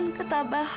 dan kita bisa berdoa